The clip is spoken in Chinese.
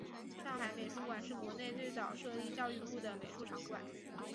上海美术馆是国内最早设立教育部的美术场馆。